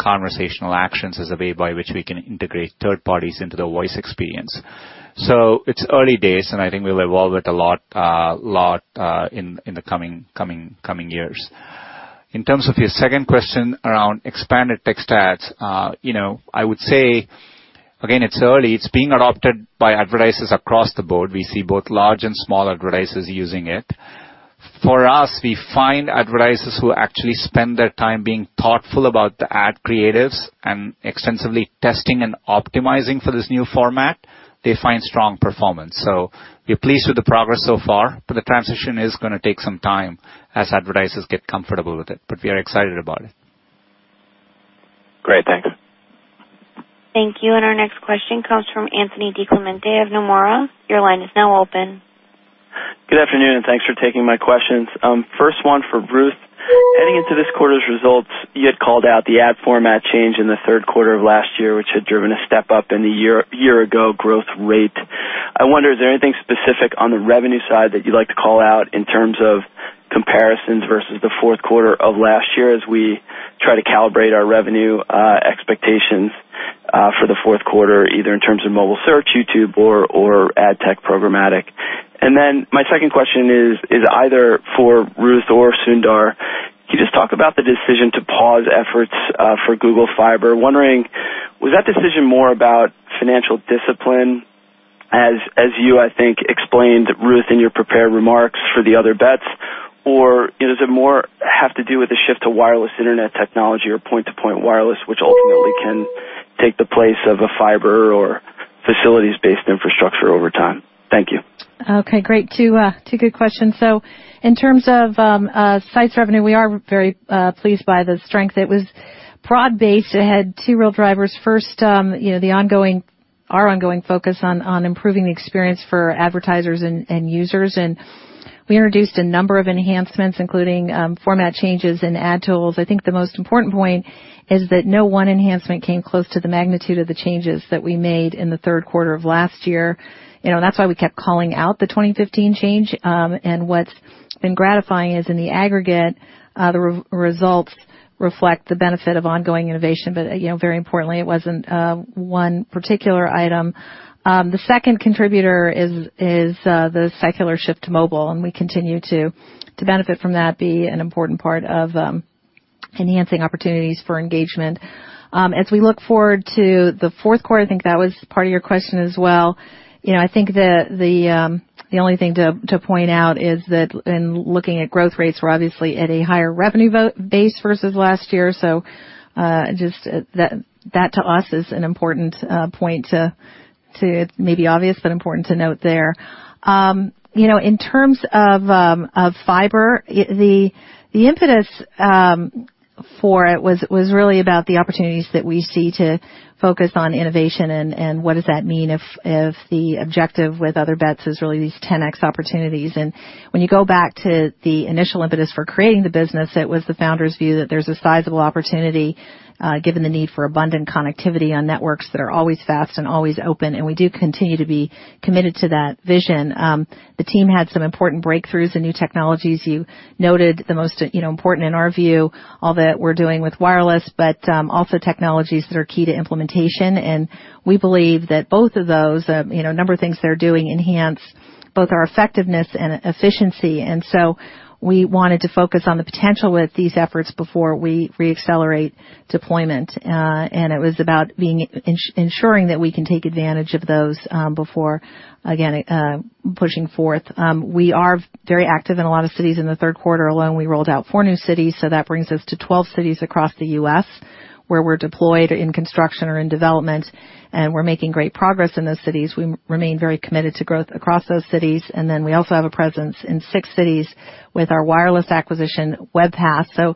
conversational actions as a way by which we can integrate third parties into the voice experience. So it's early days, and I think we will evolve it a lot in the coming years. In terms of your second question around expanded text ads, I would say, again, it's early. It's being adopted by advertisers across the board. We see both large and small advertisers using it. For us, we find advertisers who actually spend their time being thoughtful about the ad creatives and extensively testing and optimizing for this new format. They find strong performance. So we're pleased with the progress so far, but the transition is going to take some time as advertisers get comfortable with it. But we are excited about it. Great. Thanks. Thank you. And our next question comes from Anthony DiClemente of Nomura. Your line is now open. Good afternoon, and thanks for taking my questions. First one for Ruth. Heading into this quarter's results, you had called out the ad format change in the third quarter of last year, which had driven a step up in the year-ago growth rate. I wonder, is there anything specific on the revenue side that you'd like to call out in terms of comparisons versus the fourth quarter of last year as we try to calibrate our revenue expectations for the fourth quarter, either in terms of mobile search, YouTube, or ad tech programmatic? And then my second question is, is either for Ruth or Sundar, can you just talk about the decision to pause efforts for Google Fiber? Wondering, was that decision more about financial discipline, as you, I think, explained, Ruth, in your prepared remarks for the Other Bets, or does it more have to do with a shift to wireless internet technology or point-to-point wireless, which ultimately can take the place of a fiber or facilities-based infrastructure over time? Thank you. Okay. Great, two good questions. So in terms of Sites revenue, we are very pleased by the strength. It was broad-based. It had two real drivers. First, our ongoing focus on improving the experience for advertisers and users. And we introduced a number of enhancements, including format changes and ad tools. I think the most important point is that no one enhancement came close to the magnitude of the changes that we made in the third quarter of last year. That's why we kept calling out the 2015 change. What's been gratifying is, in the aggregate, the results reflect the benefit of ongoing innovation. But very importantly, it wasn't one particular item. The second contributor is the secular shift to mobile. And we continue to benefit from that, be an important part of enhancing opportunities for engagement. As we look forward to the fourth quarter, I think that was part of your question as well. I think the only thing to point out is that in looking at growth rates, we're obviously at a higher revenue base versus last year. So just that to us is an important point to maybe obvious, but important to note there. In terms of fiber, the impetus for it was really about the opportunities that we see to focus on innovation and what does that mean if the objective with other bets is really these 10x opportunities. And when you go back to the initial impetus for creating the business, it was the founders' view that there's a sizable opportunity given the need for abundant connectivity on networks that are always fast and always open. And we do continue to be committed to that vision. The team had some important breakthroughs and new technologies you noted the most important in our view, all that we're doing with wireless, but also technologies that are key to implementation. And we believe that both of those, a number of things they're doing enhance both our effectiveness and efficiency. And so we wanted to focus on the potential with these efforts before we re-accelerate deployment. And it was about ensuring that we can take advantage of those before, again, pushing forth. We are very active in a lot of cities. In the third quarter alone, we rolled out four new cities. So that brings us to 12 cities across the U.S. where we're deployed in construction or in development. And we're making great progress in those cities. We remain very committed to growth across those cities. And then we also have a presence in six cities with our wireless acquisition, Webpass. So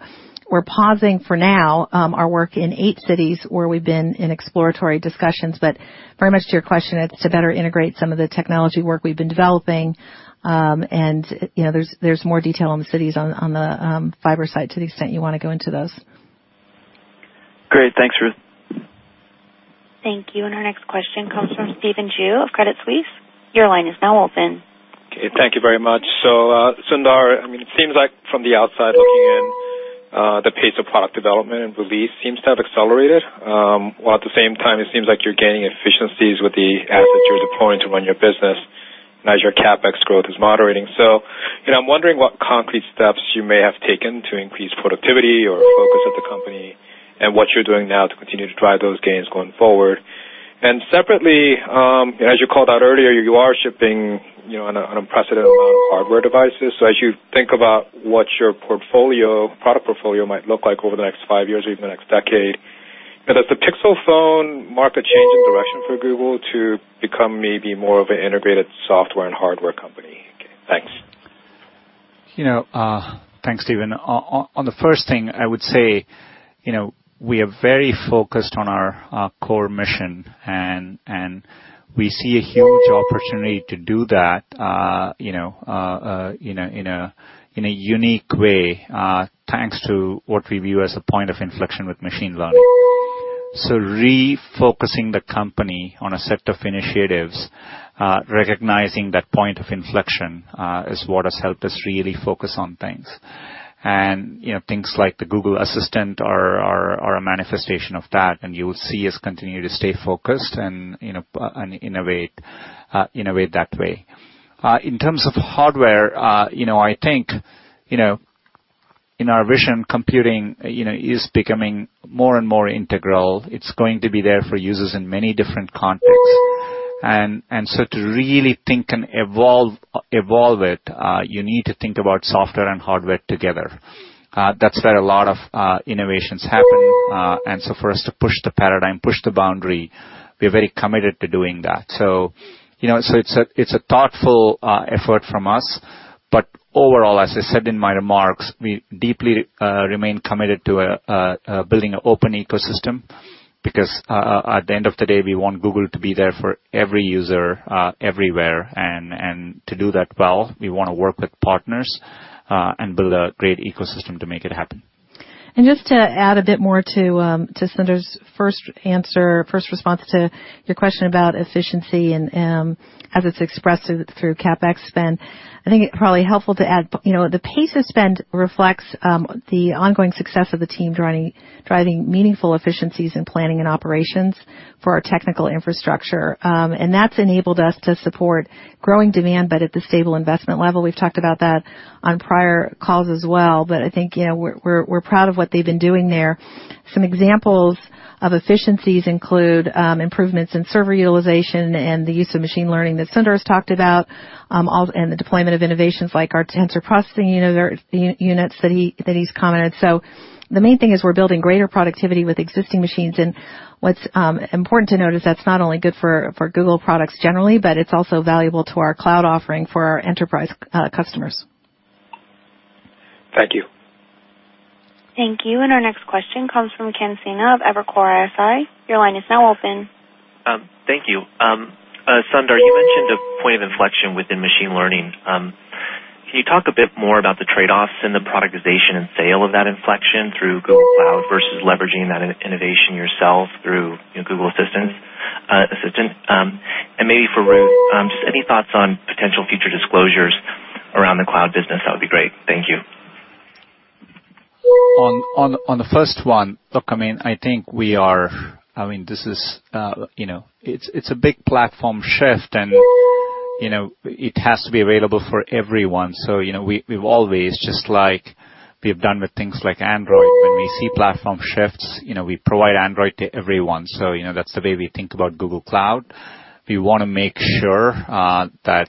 we're pausing for now our work in eight cities where we've been in exploratory discussions. But very much to your question, it's to better integrate some of the technology work we've been developing. And there's more detail on the cities on the fiber site to the extent you want to go into those. Great. Thanks, Ruth. Thank you. And our next question comes from Stephen Ju of Credit Suisse. Your line is now open. Okay. Thank you very much. So Sundar, I mean, it seems like from the outside looking in, the pace of product development and release seems to have accelerated. While at the same time, it seems like you're gaining efficiencies with the assets you're deploying to run your business, and as your CapEx growth is moderating. So I'm wondering what concrete steps you may have taken to increase productivity or focus at the company and what you're doing now to continue to drive those gains going forward. And separately, as you called out earlier, you are shipping an unprecedented amount of hardware devices. So as you think about what your product portfolio might look like over the next five years or even the next decade, does the Pixel phone market change in direction for Google to become maybe more of an integrated software and hardware company? Thanks. Thanks, Stephen. On the first thing, I would say we are very focused on our core mission, and we see a huge opportunity to do that in a unique way thanks to what we view as a point of inflection with machine learning. So refocusing the company on a set of initiatives, recognizing that point of inflection is what has helped us really focus on things. And things like the Google Assistant are a manifestation of that, and you will see us continue to stay focused and innovate that way. In terms of hardware, I think in our vision, computing is becoming more and more integral. It's going to be there for users in many different contexts. And so to really think and evolve it, you need to think about software and hardware together. That's where a lot of innovations happen. And so for us to push the paradigm, push the boundary, we're very committed to doing that. So it's a thoughtful effort from us. But overall, as I said in my remarks, we deeply remain committed to building an open ecosystem because at the end of the day, we want Google to be there for every user everywhere and to do that well. We want to work with partners and build a great ecosystem to make it happen. And just to add a bit more to Sundar's first answer, first response to your question about efficiency and as it's expressed through CapEx spend, I think it's probably helpful to add the pace of spend reflects the ongoing success of the team driving meaningful efficiencies in planning and operations for our technical infrastructure. And that's enabled us to support growing demand, but at the stable investment level. We've talked about that on prior calls as well, but I think we're proud of what they've been doing there. Some examples of efficiencies include improvements in server utilization and the use of machine learning that Sundar has talked about and the deployment of innovations like our Tensor Processing Units that he's commented. So the main thing is we're building greater productivity with existing machines. And what's important to note is that's not only good for Google products generally, but it's also valuable to our cloud offering for our enterprise customers. Thank you. Thank you. And our next question comes from Ken Sena of Evercore ISI. Your line is now open. Thank you. Sundar, you mentioned a point of inflection within machine learning. Can you talk a bit more about the trade-offs in the productization and sale of that inflection through Google Cloud versus leveraging that innovation yourself through Google Assistant? And maybe for Ruth, just any thoughts on potential future disclosures around the cloud business? That would be great. Thank you. On the first one, look. I mean, I think we are. I mean, this is, it's a big platform shift, and it has to be available for everyone. So we've always, just like we have done with things like Android, when we see platform shifts, we provide Android to everyone. So that's the way we think about Google Cloud. We want to make sure that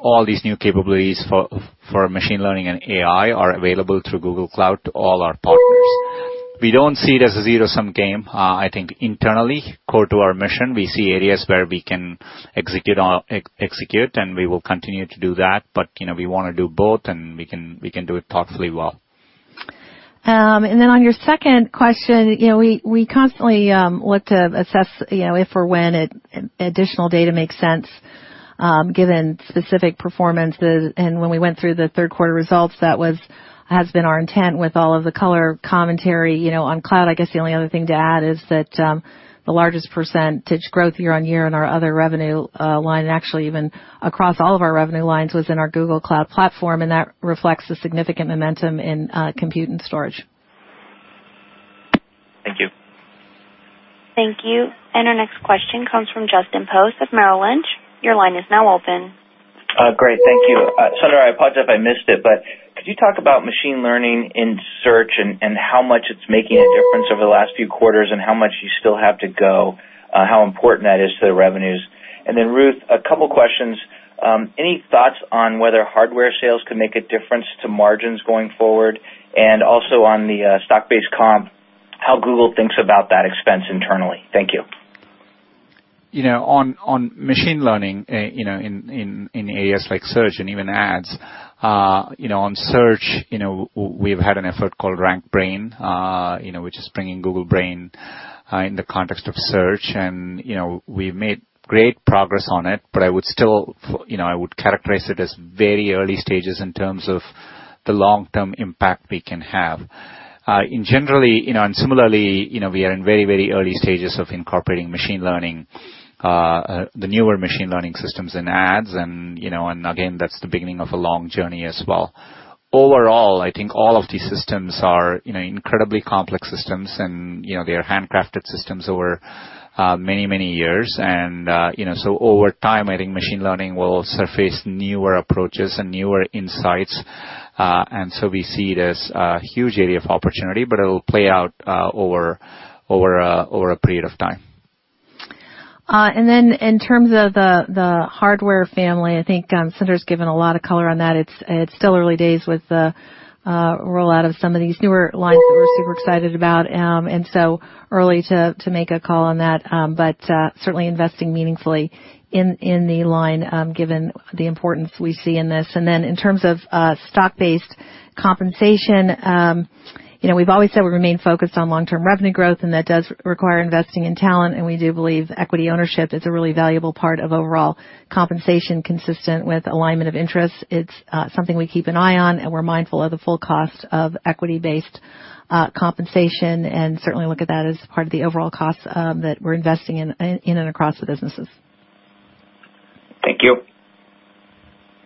all these new capabilities for machine learning and AI are available through Google Cloud to all our partners. We don't see it as a zero-sum game. I think internally, core to our mission, we see areas where we can execute, and we will continue to do that. But we want to do both, and we can do it thoughtfully well. Then on your second question, we constantly look to assess if or when additional data makes sense given specific performances. When we went through the third quarter results, that has been our intent with all of the color commentary on cloud. I guess the only other thing to add is that the largest percentage growth year on year in our other revenue line, and actually even across all of our revenue lines, was in our Google Cloud Platform. That reflects the significant momentum in compute and storage. Thank you. Thank you. Our next question comes from Justin Post of Merrill Lynch. Your line is now open. Great. Thank you. Sundar, I apologize if I missed it, but could you talk about machine learning in search and how much it's making a difference over the last few quarters and how much you still have to go, how important that is to the revenues? And then, Ruth, a couple of questions. Any thoughts on whether hardware sales could make a difference to margins going forward? And also on the stock-based comp, how Google thinks about that expense internally? Thank you. On machine learning in areas like search and even ads, on search, we've had an effort called RankBrain, which is bringing Google Brain in the context of search. And we've made great progress on it, but I would still characterize it as very early stages in terms of the long-term impact we can have. And similarly, we are in very, very early stages of incorporating machine learning, the newer machine learning systems in ads. And again, that's the beginning of a long journey as well. Overall, I think all of these systems are incredibly complex systems, and they are handcrafted systems over many, many years. And so over time, I think machine learning will surface newer approaches and newer insights. And so we see it as a huge area of opportunity, but it'll play out over a period of time. And then in terms of the hardware family, I think Sundar has given a lot of color on that. It's still early days with the rollout of some of these newer lines that we're super excited about. And so early to make a call on that, but certainly investing meaningfully in the line given the importance we see in this. And then in terms of stock-based compensation, we've always said we remain focused on long-term revenue growth, and that does require investing in talent. And we do believe equity ownership is a really valuable part of overall compensation consistent with alignment of interests. It's something we keep an eye on, and we're mindful of the full cost of equity-based compensation and certainly look at that as part of the overall costs that we're investing in and across the businesses. Thank you.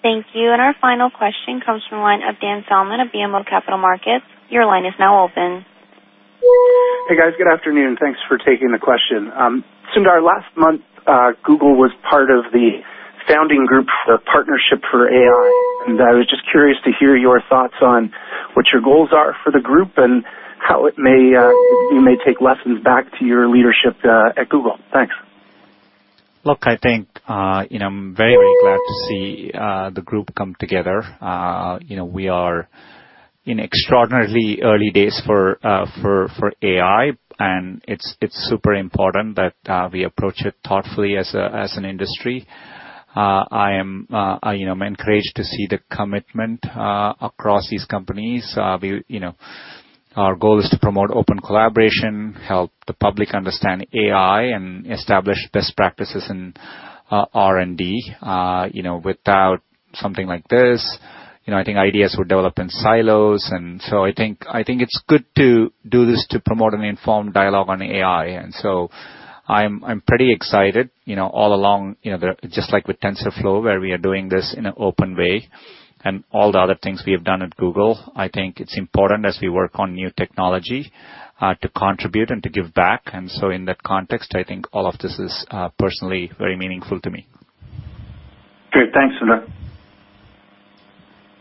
Thank you. And our final question comes from the line of Daniel Salmon of BMO Capital Markets. Your line is now open. Hey, guys. Good afternoon. Thanks for taking the question. Sundar, last month, Google was part of the founding group for Partnership on AI. I was just curious to hear your thoughts on what your goals are for the group and how you may take lessons back to your leadership at Google. Thanks. Look, I think I'm very, very glad to see the group come together. We are in extraordinarily early days for AI, and it's super important that we approach it thoughtfully as an industry. I am encouraged to see the commitment across these companies. Our goal is to promote open collaboration, help the public understand AI, and establish best practices in R&D. Without something like this, I think ideas would develop in silos. And so I think it's good to do this to promote an informed dialogue on AI. And so I'm pretty excited all along, just like with TensorFlow, where we are doing this in an open way. And all the other things we have done at Google, I think it's important as we work on new technology to contribute and to give back. And so in that context, I think all of this is personally very meaningful to me. Great. Thanks, Sundar.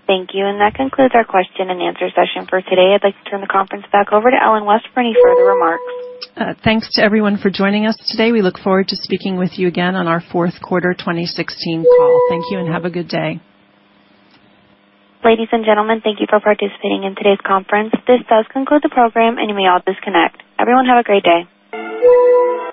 Thank you. And that concludes our question and answer session for today. I'd like to turn the conference back over to Ellen West for any further remarks. Thanks to everyone for joining us today. We look forward to speaking with you again on our fourth quarter 2016 call. Thank you and have a good day. Ladies and gentlemen, thank you for participating in today's conference. This does conclude the program, and you may all disconnect. Everyone, have a great day.